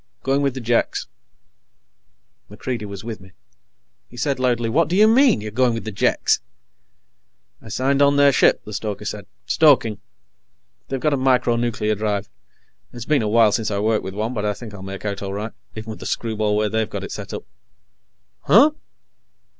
Going with the Jeks." MacReidie was with me. He said loudly: "What do you mean, you're going with the Jeks?" "I signed on their ship," the stoker said. "Stoking. They've got a micro nuclear drive. It's been a while since I worked with one, but I think I'll make out all right, even with the screwball way they've got it set up." "Huh?"